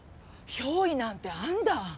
憑依なんてあんだ。